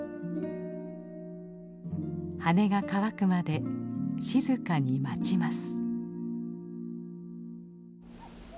羽が乾くまで静かに待ちます。